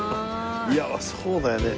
いやそうだよね。